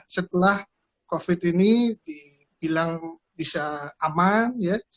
setelah covid ini dibilang bisa aman ya